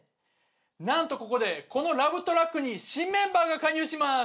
「なんとここでこのラブトラックに新メンバーが加入します！」。